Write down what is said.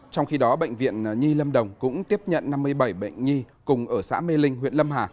trong khi đó bệnh viện nhi lâm đồng cũng tiếp nhận năm mươi bảy bệnh nhi cùng ở xã mê linh huyện lâm hà